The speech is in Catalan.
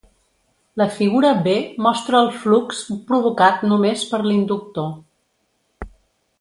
La figura B mostra el flux provocat només per l'inductor.